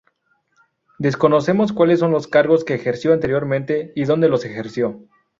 Desconocemos cuáles son los cargos que ejerció anteriormente y dónde los ejerció.